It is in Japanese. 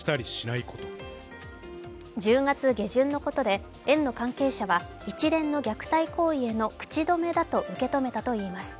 １０月下旬のことで、園の関係者は一連の虐待行為への口止めだと受け止めたといいます。